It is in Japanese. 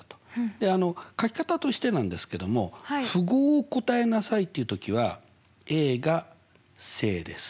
であの書き方としてなんですけども「符号を答えなさい」っていう時はが正です